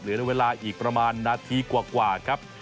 ในเวลาอีกประมาณนาทีกว่าครับ